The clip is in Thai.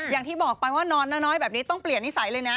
อย่างที่บอกไปว่านอนน้อยแบบนี้ต้องเปลี่ยนนิสัยเลยนะ